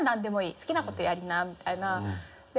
「好きな事やりな」みたいな。